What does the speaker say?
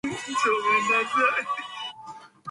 年度研究主題